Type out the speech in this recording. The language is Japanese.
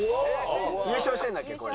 優勝してるんだっけこれ。